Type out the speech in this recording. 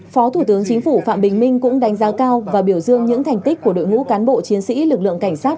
phó thủ tướng chính phủ phạm bình minh cũng đánh giá cao và biểu dương những thành tích của đội ngũ cán bộ chiến sĩ lực lượng cảnh sát